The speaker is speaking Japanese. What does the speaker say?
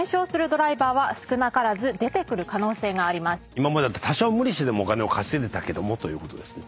今までだったら無理してでもお金を稼げたけどということです。